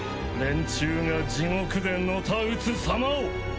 連中が地獄でのたうつさまを！